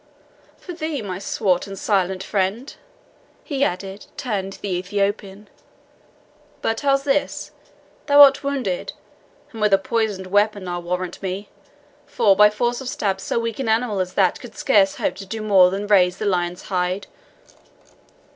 For thee, my swart and silent friend," he added, turning to the Ethiopian "but how's this? Thou art wounded and with a poisoned weapon, I warrant me, for by force of stab so weak an animal as that could scarce hope to do more than raze the lion's hide.